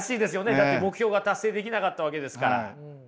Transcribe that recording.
だって目標が達成できなかったわけですから。